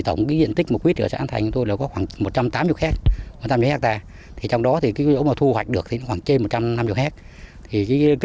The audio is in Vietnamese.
tổng diện tích mua quýt ở sản thành là khoảng một trăm tám mươi hectare trong đó nếu thu hoạch được thì khoảng trên một trăm năm mươi hectare